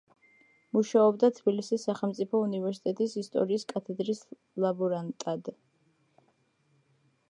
მუშაობდა თბილისის სახელმწიფო უნივერსიტეტის ისტორიის კათედრის ლაბორანტად.